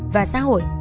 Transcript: và xã hội